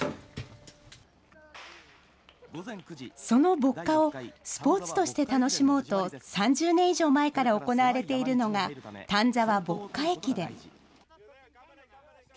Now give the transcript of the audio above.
その歩荷をスポーツとして楽しもうと３０年以上前から行われているのが「丹沢ボッカ駅伝」。